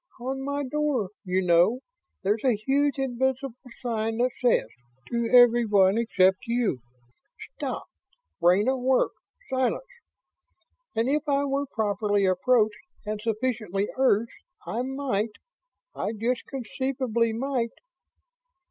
"On my door, you know, there's a huge invisible sign that says, to everyone except you, 'STOP! BRAIN AT WORK! SILENCE!', and if I were properly approached and sufficiently urged, I might ... I just conceivably might